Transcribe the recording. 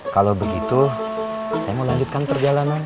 kalau begitu saya mau lanjutkan perjalanan